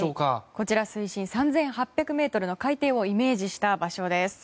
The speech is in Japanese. こちら水深３８００ｍの海底をイメージした場所です。